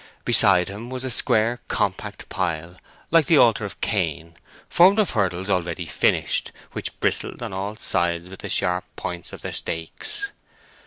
Beside him was a square, compact pile like the altar of Cain, formed of hurdles already finished, which bristled on all sides with the sharp points of their stakes.